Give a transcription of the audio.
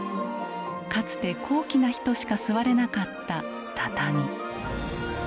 かつて高貴な人しか座れなかった畳。